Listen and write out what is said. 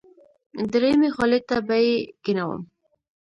دریمې خولې ته به یې کېنوم.